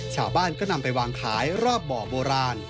ชาวบ้านก็นำไปวางขายรอบบ่อโบราณ